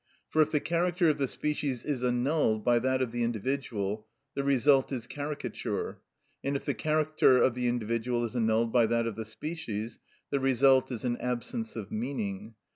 For if the character of the species is annulled by that of the individual, the result is caricature; and if the character of the individual is annulled by that of the species, the result is an absence of meaning.